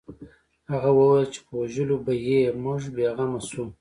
هغه وویل چې په وژلو به یې موږ بې غمه شو